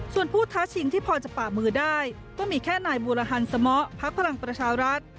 ส่วนผู้ท้าชิงที่พอจะป่ามือได้ก็มีแค่นายบูรฮันสมะพักพลังประชารัฐ